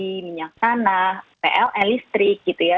di minyak tanah pln listrik gitu ya